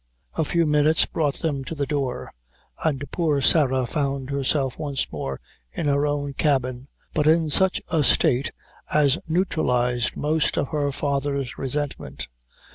A few minutes brought them to the door, and poor Sarah found herself once more in her own cabin, but in such a state as neutralized most of her father's resentment.